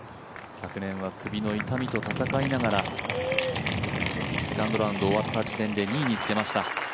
昨年は首の痛みと闘いながらセカンドラウンド終わった時点で２位につけました。